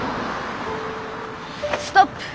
ストップ。